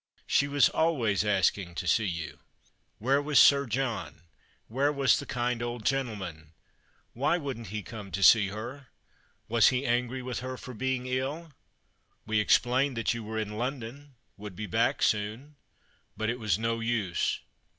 She was always asking to see you. Where was Sir John ? Where was the kind old gentleman ? Why wouldn't he 250 The Christmas Hirelings. come to see her ? Was he angry with her for being ill ? We explained that you were in London, would be back soon — but it was no use.